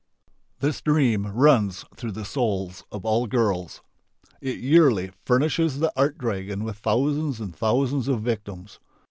This dream runs through the souls of all girls. It yearly furnishes the art dragon with thousands and thousands of victims.